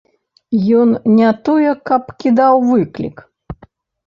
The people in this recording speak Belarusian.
Ён не тое, каб кідаў выклік.